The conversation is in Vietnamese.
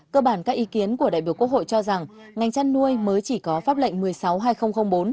cơ bản các ý kiến của đại biểu quốc hội cho rằng ngành chăn nuôi mới chỉ có pháp lệnh một mươi sáu hai nghìn bốn